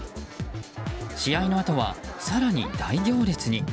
試合のあとは更に大行列に。